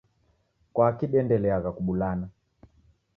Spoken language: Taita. Kwaki diendeliagha kubulana?